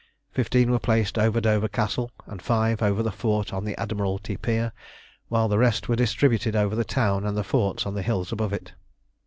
Fifteen were placed over Dover Castle, and five over the fort on the Admiralty Pier, while the rest were distributed over the town and the forts on the hills above it.